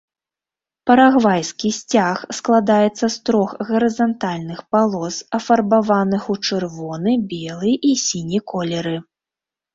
Парагвайскі сцяг складаецца з трох гарызантальных палос, афарбаваных ў чырвоны, белы і сіні колеры.